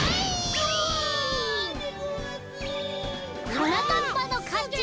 はなかっぱのかち！